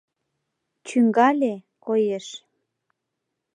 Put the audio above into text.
Чӱҥгале, коеш!